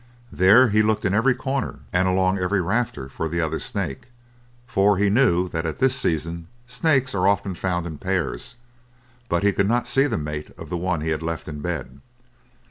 There he looked in every corner, and along every rafter for the other snake, for he knew that at this season snakes are often found in pairs, but he could not see the mate of the one he had left in bed.